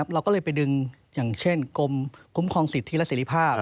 เราก็เลยไปดึงอย่างเช่นกรมคุ้มครองสิทธิและเสรีภาพ